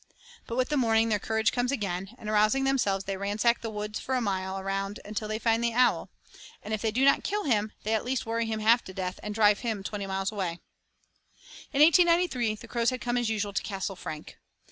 But with the morning their courage comes again, and arousing themselves they ransack the woods for a mile around till they find that owl, and if they do not kill him they at least worry him half to death and drive him twenty miles away. In 1893 the crows had come as usual to Castle Frank.